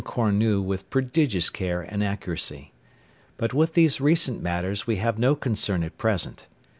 Cornu with prodigious care and accuracy. But with these recent matters we have no concern at present.